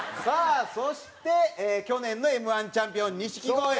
さあそして去年のＭ−１チャンピオン錦鯉。